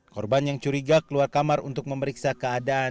korban yang curiga keluar kamar untuk memeriksa keadaan